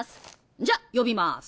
じゃ呼びます。